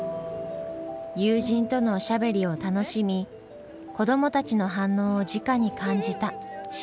友人とのおしゃべりを楽しみ子どもたちの反応をじかに感じた下関の旅。